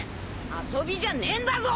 遊びじゃねえんだぞ！